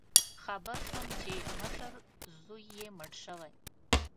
خبر شوم چې مشر زوی یې مړ شوی